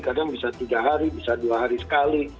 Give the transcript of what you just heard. kadang bisa tiga hari bisa dua hari sekali